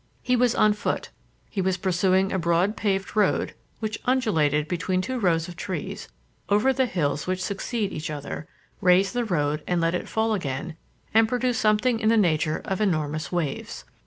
He was on foot. He was pursuing a broad paved road, which undulated between two rows of trees, over the hills which succeed each other, raise the road and let it fall again, and produce something in the nature of enormous waves.